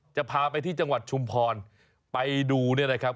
จะพาไปที่จังหวัดชุมพรไปดูเนี่ยนะครับ